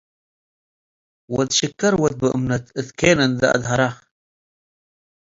ወድ ሽከር ወድ ብእምነት - እት ኬን እንዴ አድሀራ